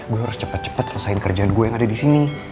gua harus cepet cepet selesai kerjaan gua yang ada disini